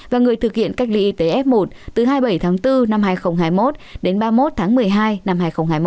và người thực hiện cách ly y tế f một từ hai mươi bảy tháng bốn năm hai nghìn hai mươi một đến ba mươi một tháng một mươi hai năm hai nghìn hai mươi một